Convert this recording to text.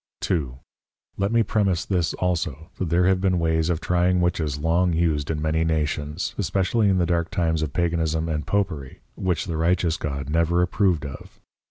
2. Let me premise this also, that there have been ways of trying Witches long used in many Nations, especially in the dark times of Paganism and Popery, which the righteous God never approved of.